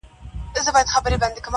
د شیتکو نجونه سالې پښتنې دي